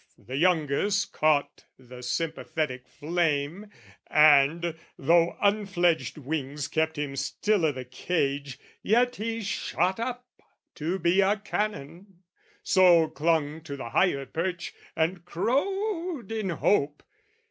The youngest caught the sympathetic flame, And, though unfledged wings kept him still i' the cage, Yet he shot up to be a Canon, so Clung to the higher perch and crowed in hope.